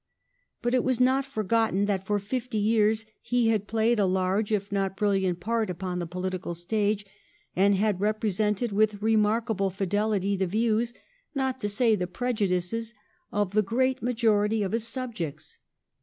But it was not forgotten that for fifty years he had played a large if not a brilliant part upon the political stage, and had represented with remarkable fidelity the views — not to say the prejudices — of the great majority of his subjects.